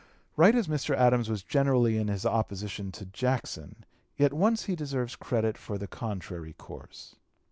Right as Mr. Adams was generally in his opposition to Jackson, yet once he deserves credit for the contrary course.